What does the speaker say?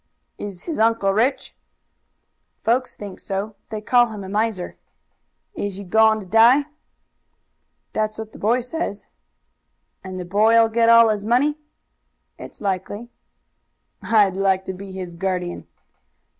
"Is his uncle rich?" "Folks think so. They call him a miser." "Is he goin' to die?" "That's what the boy says." "And the boy'll get all his money?" "It's likely." "I'd like to be his guardian."